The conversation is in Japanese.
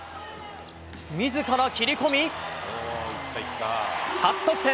みずから切り込み、初得点。